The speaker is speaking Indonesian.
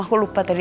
aku lupa tadi